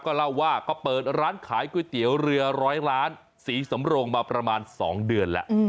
ก็เล่าว่าก็เปิดร้านขายก๋วยเตี๋ยวเรือร้อยล้านศรีสำโรงมาประมาณ๒เดือนแล้ว